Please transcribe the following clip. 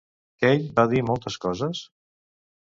Kate va dir moltes coses?